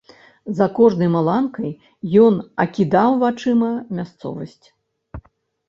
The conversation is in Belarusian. За кожнай маланкай ён акідаў вачыма мясцовасць.